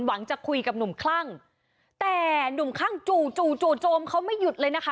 หวังจะคุยกับหนุ่มคลั่งแต่หนุ่มคลั่งจู่จู่จู่โจมเขาไม่หยุดเลยนะคะ